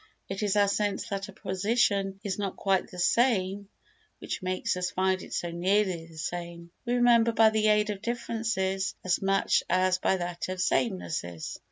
It is our sense that a position is not quite the same which makes us find it so nearly the same. We remember by the aid of differences as much as by that of samenesses.